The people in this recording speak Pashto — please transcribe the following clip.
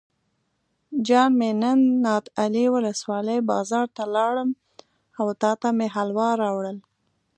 جان مې نن نادعلي ولسوالۍ بازار ته لاړم او تاته مې حلوا راوړل.